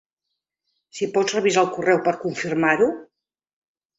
Si pots revisar el correu per confirmar-ho.